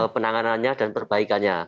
penanganannya dan perbaikannya